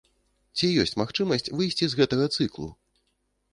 Ці ёсць магчымасць выйсці з гэтага цыклу?